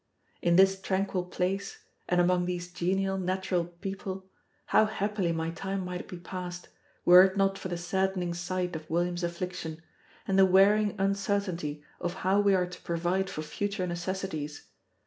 In this tranquil place, and among these genial, natural people, how happily my time might be passed, were it not for the saddening sight of William's affliction, and the wearing uncertainty of how we are to provide for future necessities!